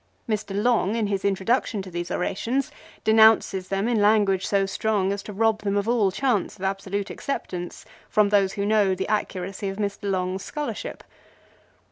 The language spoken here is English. Mr. Long in his introduction to these orations denounces them in language so strong as to rob them of all chance of absolute acceptance from those who know the accuracy of Mr. Long's scholarship.